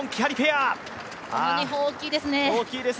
この２本は、大きいですね